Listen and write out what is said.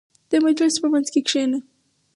• د مجلس په منځ کې کښېنه.